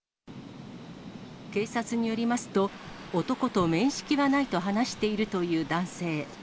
警察によりますと、男と面識はないと話しているという男性。